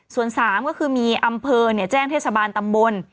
ส่วน๓ก็คือมีอำเภอแจ้งเทศบาลตำบล